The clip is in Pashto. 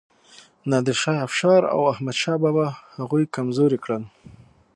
نادر شاه افشار او احمد شاه بابا هغوی کمزوري کړل.